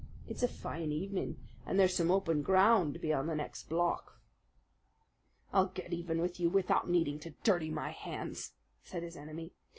It's a fine evening, and there's some open ground beyond the next block." "I'll get even with you without needing to dirty my hands," said his enemy.